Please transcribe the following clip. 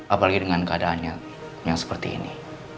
apalagi dengan keadaannya yang seperti ini